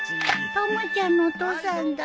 たまちゃんのお父さんだ。